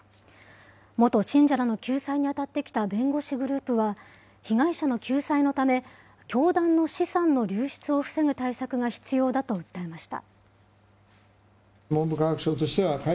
元信者らの救済に当たってきた弁護士グループは、被害者の救済のため、教団の資産の流出を防ぐ対策が必要だと訴えました。